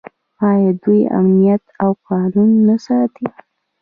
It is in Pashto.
آیا دوی امنیت او قانون نه ساتي؟